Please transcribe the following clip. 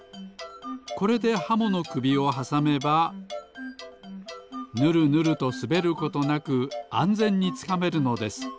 これでハモのくびをはさめばぬるぬるとすべることなくあんぜんにつかめるのです。